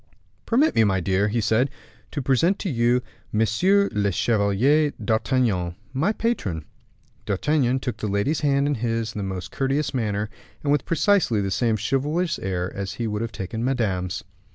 "Permit me, my dear," he said, "to present to you Monsieur le Chevalier d'Artagnan, my patron." D'Artagnan took the lady's hand in his in the most courteous manner, and with precisely the same chivalrous air as he would have taken Madame's.